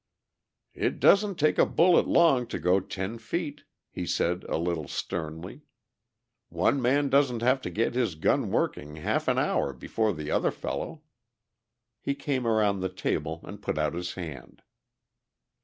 "It doesn't take a bullet long to go ten feet," he said a little sternly. "One man doesn't have to get his gun working half an hour before the other fellow." He came around the table and put out his hand.